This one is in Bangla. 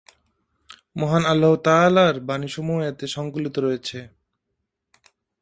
মহান আল্লাহ্-তা‘আলার বাণীসমূহ এতে সংকলিত হয়েছে।